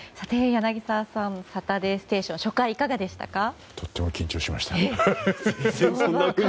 柳澤さん「サタデーステーション」初回いかがでしたか？